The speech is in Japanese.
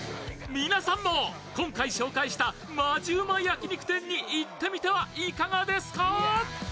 皆さんも今回紹介したマヂうま焼肉店に行ってみてはいかがですか。